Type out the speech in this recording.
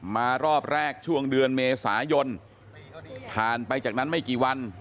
รอบแรกช่วงเดือนเมษายนผ่านไปจากนั้นไม่กี่วัน